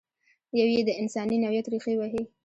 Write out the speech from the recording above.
یو یې د انساني نوعیت ریښې وهي.